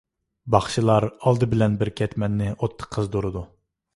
باخشىلار ئالدى بىلەن بىر كەتمەننى ئوتتا قىزدۇرىدۇ.